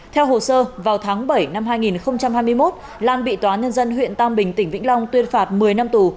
theo hồ sơ vào tháng bảy năm hai nghìn hai mươi một lan bị tòa nhân dân huyện tam bình tỉnh vĩnh long tuyên phạt một mươi năm tù